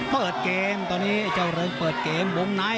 เปิดเกมตอนนี้เจาเริงเปิดเกม